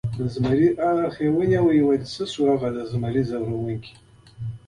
د زمري اړخ یې ونیو، آ خلکو څه شول هغه د زمري ځوروونکي؟